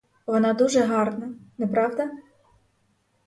Вона дуже гарна, не правда?